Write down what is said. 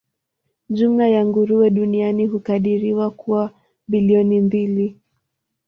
Jumla ya nguruwe duniani hukadiriwa kuwa bilioni mbili.